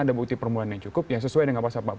ada bukti permulaan yang cukup yang sesuai dengan pasang